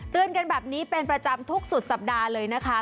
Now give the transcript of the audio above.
กันแบบนี้เป็นประจำทุกสุดสัปดาห์เลยนะคะ